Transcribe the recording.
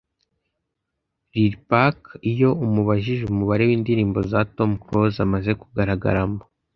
Lil Pac iyo umubajije umubare w’indirimbo za Tom Close amaze kugaragaramo